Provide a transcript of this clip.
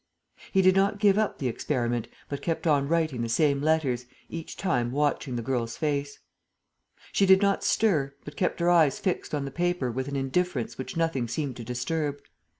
He did not give up the experiment, but kept on writing the same letters, each time watching the girl's face. She did not stir, but kept her eyes fixed on the paper with an indifference which nothing seemed to disturb.